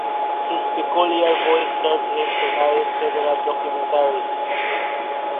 His peculiar voice served him to narrate several documentaries.